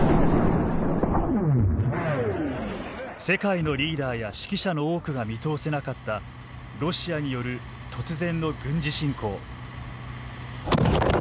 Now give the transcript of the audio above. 世界のリーダーや識者の多くが見通せなかったロシアによる突然の軍事侵攻。